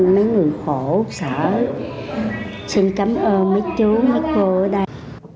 mấy người khổ sở xin cảm ơn mấy chú mấy cô ở đây